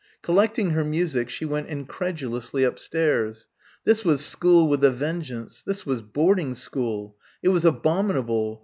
Collecting her music she went incredulously upstairs. This was school with a vengeance. This was boarding school. It was abominable.